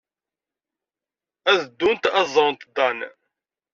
Ad ddunt ad ẓrent Dan.